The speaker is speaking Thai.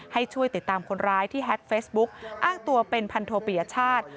ให้ช่วยติดตามคนร้ายที่แฮ็กเฟซบุ๊กอ้างตัวเป็นพันโทปิยชาติ